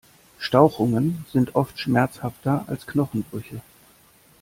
Stauchungen sind oft schmerzhafter als Knochenbrüche.